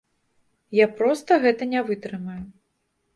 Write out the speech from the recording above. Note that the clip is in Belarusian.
Я проста гэта не вытрымаю.